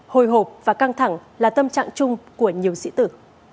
hồi hộp và căng thẳng là tâm trạng chung của nhiều sĩ tử